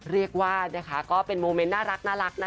เรียกว่านะคะก็เป็นโมเมนต์น่ารักนะ